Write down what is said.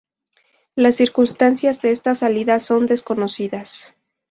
Las circunstancias de estas salidas son desconocidas.